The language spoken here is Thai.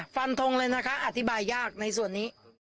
ฟันทงเลยนะคะอธิบายยากในส่วนนี้